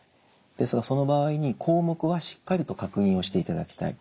ですがその場合に項目はしっかりと確認をしていただきたい。